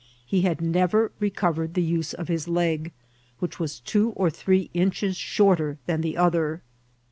He had never recovered the use of his leg, which veas two or three inches shorter than the other.